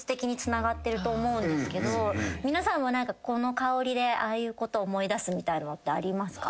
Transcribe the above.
皆さんはこの香りでああいうこと思い出すみたいのってありますか？